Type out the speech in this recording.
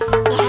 aduh ini berapa